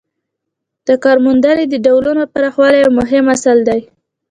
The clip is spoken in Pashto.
د کارموندنې د ډولونو پراخوالی یو مهم اصل دی.